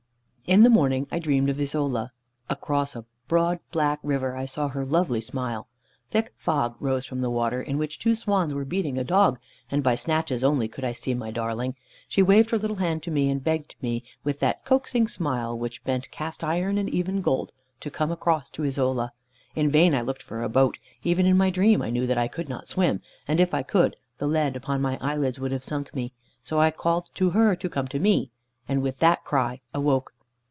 In the morning I dreamed of Isola. Across a broad black river, I saw her lovely smile. Thick fog rose from the water, in which two swans were beating a dog, and by snatches only could I see my darling. She waved her little hand to me, and begged me, with that coaxing smile which bent cast iron and even gold, to come across to Isola. In vain I looked for a boat, even in my dream I knew that I could not swim, and if I could, the lead upon my eyelids would have sunk me. So I called to her to come to me, and with that cry awoke.